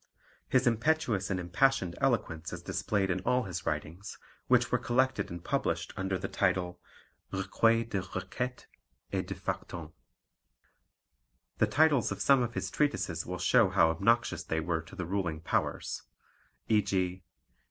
His impetuous and impassioned eloquence is displayed in all his writings, which were collected and published under the title Recueil de Requêtes et de Factums. The titles of some of his treatises will show how obnoxious they were to the ruling powers e.g.